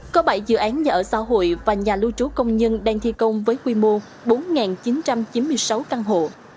có bảy dự án nhà ở xã hội và nhà lưu trú công nhân đang thi công với quy mô bốn chín trăm chín mươi sáu căn hộ